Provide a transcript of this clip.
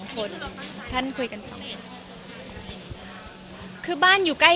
คุณแม่มะม่ากับมะมี่